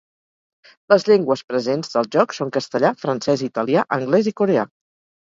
Les llengües presents del joc són Castellà, Francès, Italià, Anglès, i Coreà.